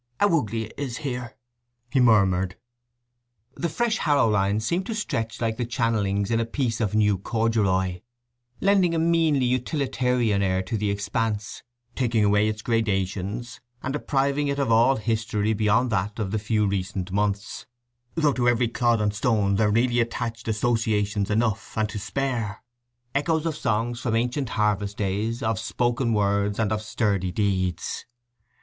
"How ugly it is here!" he murmured. The fresh harrow lines seemed to stretch like the channellings in a piece of new corduroy, lending a meanly utilitarian air to the expanse, taking away its gradations, and depriving it of all history beyond that of the few recent months, though to every clod and stone there really attached associations enough and to spare—echoes of songs from ancient harvest days, of spoken words, and of sturdy deeds.